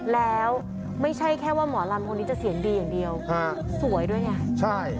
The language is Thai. แล้วไม่ใช่แค่ว่าหมอลำคนนี้จะเสียงดีอย่างเดียวสวยด้วยไงใช่